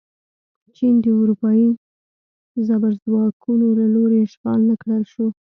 چین د اروپايي زبرځواکونو له لوري اشغال نه کړل شو.